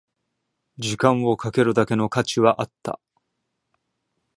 時間をかけるだけの価値はあった